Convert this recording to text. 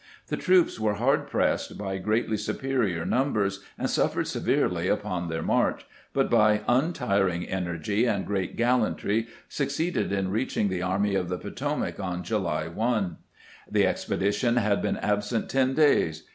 The troops were hard pressed by greatly superior numbers, and suffered severely upon their march, but by untiring en ergy and great gallantry succeeded in reaching the Army of the Potomac on July 1. The expedition had been absent ten days.